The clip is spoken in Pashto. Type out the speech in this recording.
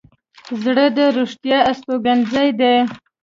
زړه د رښتیا استوګنځی دی.